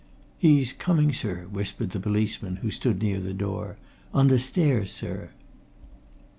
"He's coming, sir!" whispered the policeman who stood near the door. "On the stairs, sir."